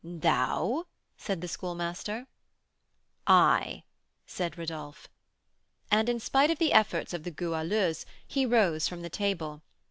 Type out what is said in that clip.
"Thou?" said the Schoolmaster. "I!" said Rodolph. And, in spite of the efforts of the Goualeuse, he rose from the table.